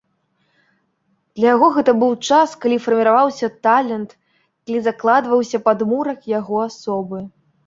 Для яго гэта быў час, калі фарміраваўся талент, калі закладваўся падмурак яго асобы.